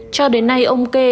cho đến nay ông kê